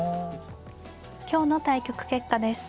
今日の対局結果です。